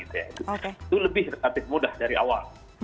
itu lebih relatif mudah dari awal